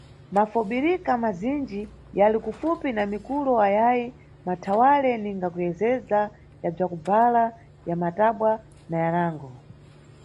Mafobirika mazinji yali kufupi na mikulo ayayi mathawale, ninga kuyezeza, ya bzakubvala, ya matabwa na yanango.